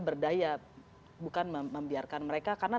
berdaya bukan membiarkan mereka karena